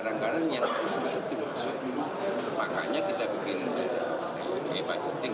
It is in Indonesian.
dan ini pernah terjadi pada saat jepang